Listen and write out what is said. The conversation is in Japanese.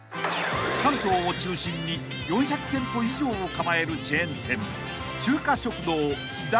［関東を中心に４００店舗以上を構えるチェーン店］